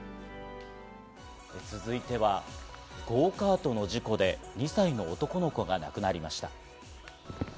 続いては、ゴーカートの事故で２歳の男の子が亡くなりました。